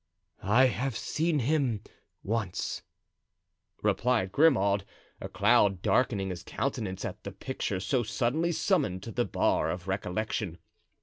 "I have seen him once," replied Grimaud, a cloud darkening his countenance at the picture so suddenly summoned to the bar of recollection.